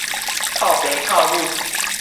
哭爸哭母